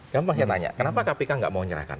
gampang saya tanya kenapa kpk tidak mau menyerahkan